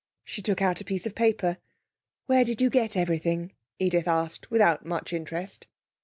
She took out a piece of paper. 'Where did you get everything?' Edith asked, without much interest.